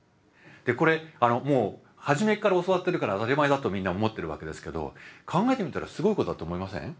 これもう初めから教わってるから当たり前だとみんな思ってるわけですけど考えてみたらすごいことだと思いません？